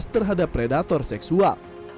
terhadap predator seksual